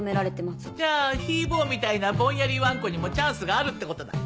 じゃあヒー坊みたいなぼんやりワンコにもチャンスがあるって事だ。